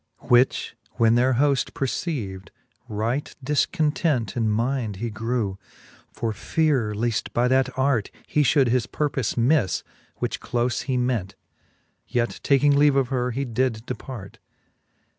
Which when their hoft perceiv'd, right difcontent In mind he grew, for feare leaft by that art He fhould his purpofe mifTe, which clofe he ment : Yet taking leave of her, he did depart.